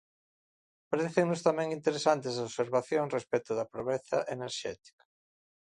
Parécennos tamén interesantes as observacións respecto da pobreza enerxética.